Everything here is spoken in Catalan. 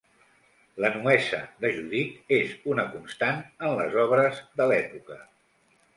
La nuesa de Judit és una constant en les obres de l'època.